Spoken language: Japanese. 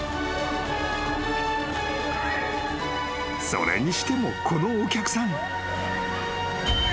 ［それにしてもこのお客さん］